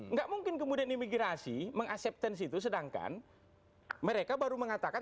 nggak mungkin kemudian imigrasi meng acceptance itu sedangkan mereka baru mengatakan